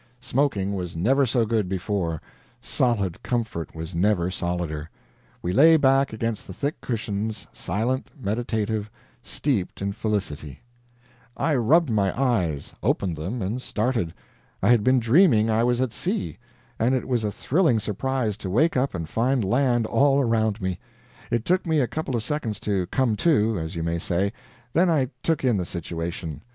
Smoking was never so good before, solid comfort was never solider; we lay back against the thick cushions silent, meditative, steeped in felicity. I rubbed my eyes, opened them, and started. I had been dreaming I was at sea, and it was a thrilling surprise to wake up and find land all around me. It took me a couple seconds to "come to," as you may say; then I took in the situation.